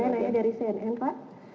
saya nanya dari cnn pak